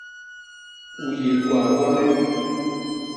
U yé gwaa gwañen?